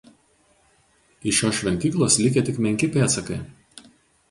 Iš šios šventyklos likę tik menki pėdsakai.